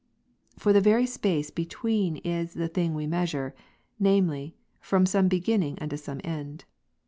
For the very space between is the thing we measure, namely, from some besrinninsc unto some end.